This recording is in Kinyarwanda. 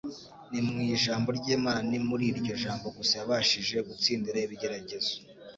Ni mu ijambo ry'Imana. Ni mur'iryo jambo gusa yabashije gutsindira ibigeragezo.